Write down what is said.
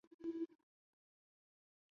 这是他职业生涯的巅峰时期。